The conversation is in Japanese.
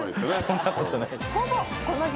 そんなことない。